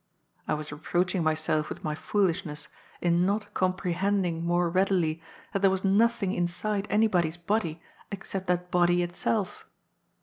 I was reproaching myself with my foolishness in not comprehending more readily that there was nothing inside anybody's body except that body itself.